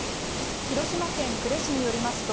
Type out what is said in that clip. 広島県呉市によりますと、